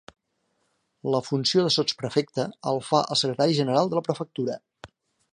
La funció de sotsprefecte el fa el secretari general de la prefectura.